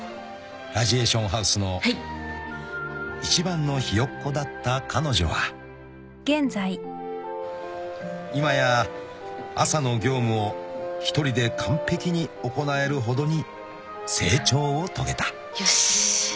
［ラジエーションハウスの一番のひよっこだった彼女はいまや朝の業務を１人で完璧に行えるほどに成長を遂げた］よしっ。